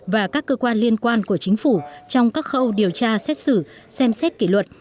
và các cơ quan liên quan của chính phủ trong các khâu điều tra xét xử xem xét kỷ luật